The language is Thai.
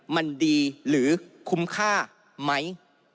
มันดีหรือคุ้มค่าไหม